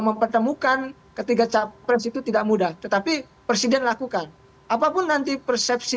mempertemukan ketiga capres itu tidak mudah tetapi presiden lakukan apapun nanti persepsi